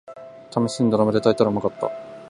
ためしに土鍋で炊いたらうまかった